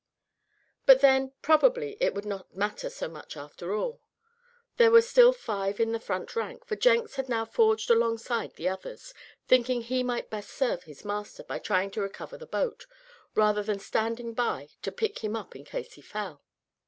But then probably it would not matter so much after all. There were still five in the front rank, for Jenks had now forged alongside the others, thinking he might best serve his master by trying to recover the boat, rather than standing by to pick him up in case he fell.